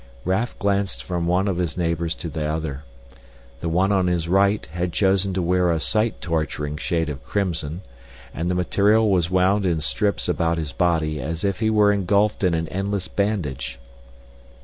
Raf glanced from one of his neighbors to the other. The one on his right had chosen to wear a sight torturing shade of crimson, and the material was wound in strips about his body as if he were engulfed in an endless bandage.